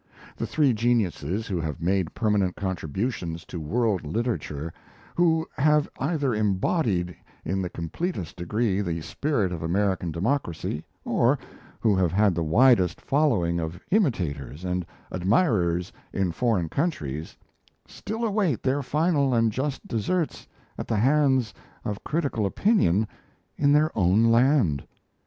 The three geniuses who have made permanent contributions to world literature, who have either embodied in the completest degree the spirit of American democracy, or who have had the widest following of imitators and admirers in foreign countries, still await their final and just deserts at the hands of critical opinion in their own land.